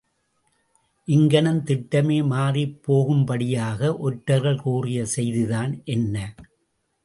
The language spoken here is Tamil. இங்ஙனம் திட்டமே மாறிப் போகும்படியாக ஒற்றர்கள் கூறிய செய்திதான் என்ன?